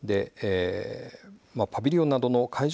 パビリオンなどの会場